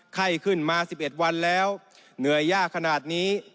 ไข้ขึ้นมา๑๑วันแล้วเหนื่อยยากขนาดนี้